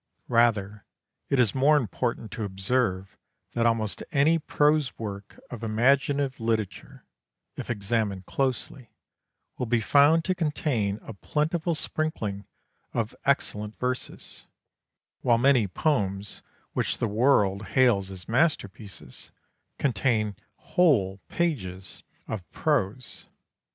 Rather is it more important to observe that almost any prose work of imaginative literature, if examined closely, will be found to contain a plentiful sprinkling of excellent verses; while many poems which the world hails as master pieces, contain whole pages of prose.